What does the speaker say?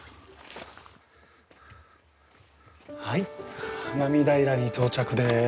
はい花見平に到着です。